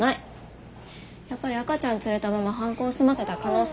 やっぱり赤ちゃん連れたまま犯行を済ませた可能性もないね。